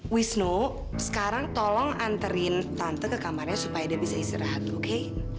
wisnu sekarang tolong anterin tante ke kamarnya supaya dia bisa istirahat oke